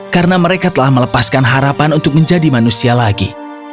karena mereka telah melepaskan harapan untuk menjadi manusia lagi